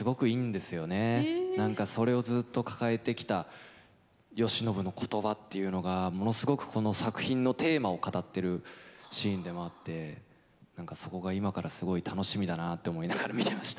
何かそれをずっと抱えてきた慶喜の言葉っていうのがものすごくこの作品のテーマを語ってるシーンでもあって何かそこが今からすごい楽しみだなって思いながら見てました。